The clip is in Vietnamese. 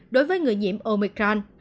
đối với người nhiễm omicron